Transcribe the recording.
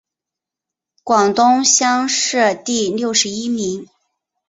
广东乡试第六十一名。